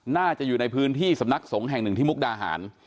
น่าจะอยู่ในพื้นที่สำนักสงฆ์แห่งหนึ่งที่มุกดาหาร